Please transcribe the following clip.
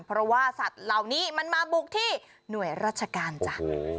เพราะว่าสัตว์เหล่านี้มันมาบุกที่หน่วยราชการจ้ะ